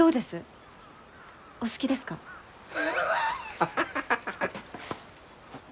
ハハハハハハッ。